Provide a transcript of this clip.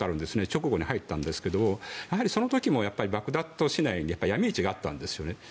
直後に入ったんですがその時もバグダッド市内にヤミ市があったんですね。